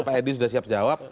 pak edi sudah siap jawab